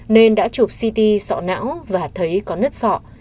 nên đã chụp ct sọ não và thấy có nứt sọ